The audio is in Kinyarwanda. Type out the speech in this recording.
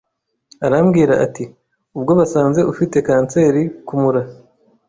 arambwira ati ubwo basanze ufite kanseri ku mura